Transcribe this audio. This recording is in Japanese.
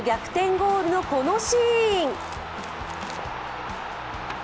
ゴールのこのシーン。